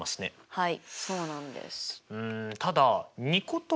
はい。